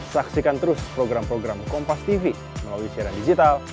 saksikan terus program program kompas tv melalui siaran digital